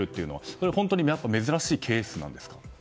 それは本当に珍しいケースなんですか？